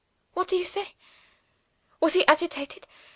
What do you say? Was he agitated?